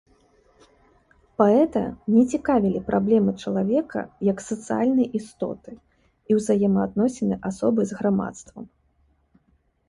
Паэта не цікавілі праблемы чалавека як сацыяльнай істоты і ўзаемаадносіны асобы з грамадствам.